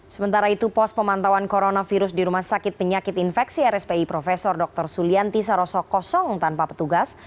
sementara itu pos pemantauan coronavirus di rumah sakit penyakit infeksi rspi prof dr sulianti saroso kosong tanpa petugas